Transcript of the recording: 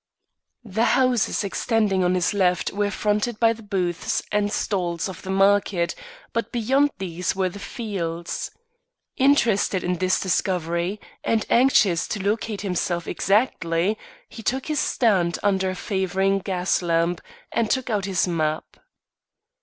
The houses extending on his left were fronted by the booths and stalls of the market but beyond these were the fields. Interested in this discovery, and anxious to locate himself exactly, he took his stand under a favouring gas lamp, and took out his map.